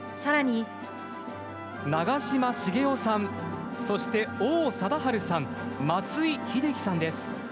長嶋茂雄さん、そして王貞治さん、松井秀喜さんです。